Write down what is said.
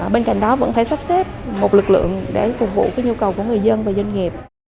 bên cạnh đó vẫn phải sắp xếp một lực lượng để phục vụ nhu cầu của người dân và doanh nghiệp